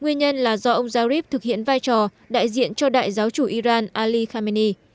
nguyên nhân là do ông zarif thực hiện vai trò đại diện cho đại giáo chủ iran ali khamenei